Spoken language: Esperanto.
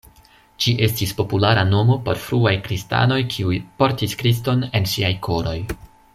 Ĝi estis populara nomo por fruaj kristanoj kiuj "portis Kriston en siaj koroj.